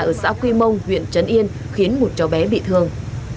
ở xã quy mông huyện trấn yên khiến một cháu bé bị thương